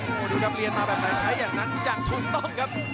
โอ้โหดูครับเรียนมาแบบไหนใช้อย่างนั้นทุกอย่างถูกต้องครับ